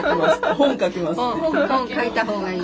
本書いた方がいい。